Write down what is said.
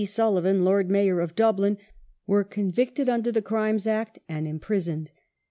Sullivan, Lord Mayor of Dublin, were convicted under the Crimes Act and imprisoned.